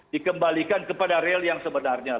dikembalikan kepada real yang sebenarnya